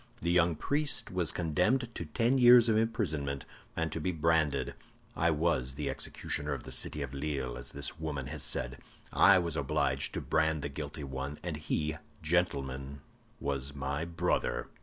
The young priest was condemned to ten years of imprisonment, and to be branded. I was executioner of the city of Lille, as this woman has said. I was obliged to brand the guilty one; and he, gentlemen, was my brother!